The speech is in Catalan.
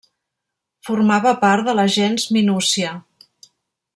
Formava part de la gens Minúcia.